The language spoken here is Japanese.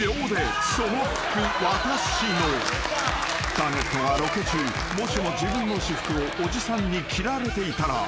［ターゲットがロケ中もしも自分の私服をおじさんに着られていたら］